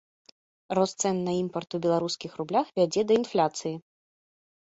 Рост цэн на імпарт у беларускіх рублях вядзе да інфляцыі.